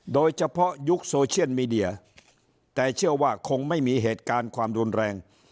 ยุคโซเชียลมีเดียแต่เชื่อว่าคงไม่มีเหตุการณ์ความรุนแรง